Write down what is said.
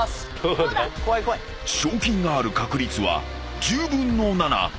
［賞金がある確率は１０分の７］